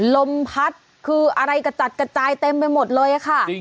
ลมพัดคืออะไรกระจัดกระจายเต็มไปหมดเลยค่ะ